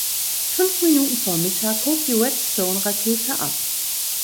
Fünf Minuten vor Mittag hob die Redstone-Rakete ab.